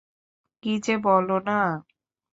কী যে বলো না।